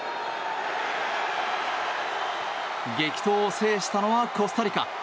激闘を制したのはコスタリカ。